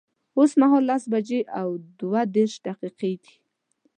اوس مهال لس بجي او دوه دیرش دقیقی دی